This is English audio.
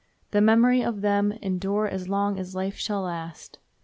The memory of them will endure as long as life shall last.